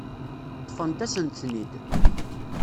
Ṭṭfent-asen-ten-id.